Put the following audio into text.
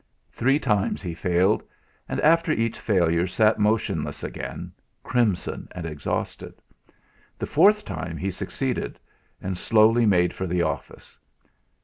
Three times he failed, and after each failure sat motionless again, crimson and exhausted; the fourth time he succeeded, and slowly made for the office.